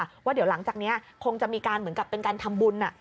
ว่าเดี๋ยวหลังจากนี้คงจะมีการเหมือนกับเป็นการทำบุญ